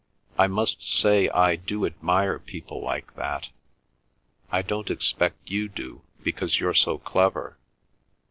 I must say I do admire people like that! I don't expect you do because you're so clever.